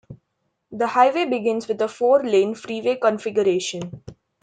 The highway begins with a four-lane freeway configuration.